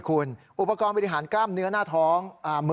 คุณอุปกรณ์บริหารกล้ามเนื้อหน้าท้อง